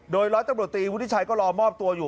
โดยร้อยตำรวจตีวุฒิชัยก็รอมอบตัวอยู่